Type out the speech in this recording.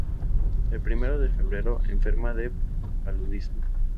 El primero de febrero enferma de paludismo.